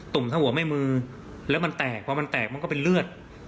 ุ่มถ้าหัวไม่มือแล้วมันแตกพอมันแตกมันก็เป็นเลือด